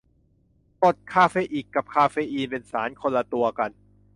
กรดคาเฟอิก กับคาเฟอีน เป็นสารคนละตัวกัน